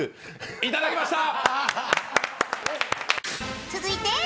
いただきました！